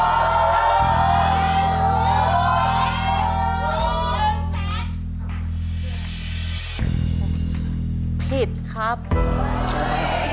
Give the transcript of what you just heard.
คำตอบที่ถูกต้องนึงก็คือ